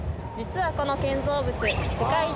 実はこの建造物世界